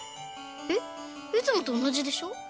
えっいつもとおなじでしょ？